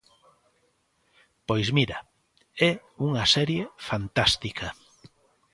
Pois mira, é unha serie fantástica.